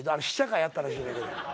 試写会やったらしいねんけど。